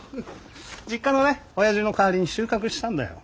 実家のね親父の代わりに収穫したんだよ。